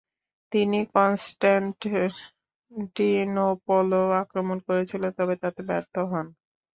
তিনি কনস্টান্টিনোপলও আক্রমণ করেছিলেন তবে তাতে ব্যর্থ হন।